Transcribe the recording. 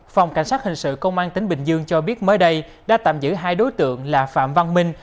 phòng cảnh sát hình sự công an tỉnh bình dương cho biết mới đây đã tạm giữ hai đối tượng là phạm văn minh